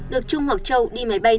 được trung hoặc châu đi máy bay